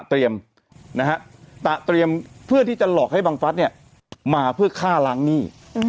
เตรียมเพื่อนที่จะหลอกให้บังฤษเนี่ยมาเพื่อฆ่าล้างหนี้